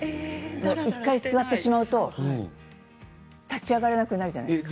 １回座ってしまうと立ち上がれなくなるじゃないですか。